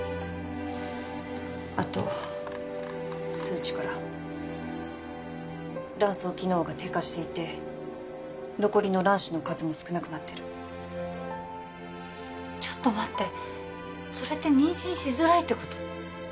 あと数値から卵巣機能が低下していて残りの卵子の数も少なくなってるちょっと待ってそれって妊娠しづらいってこと？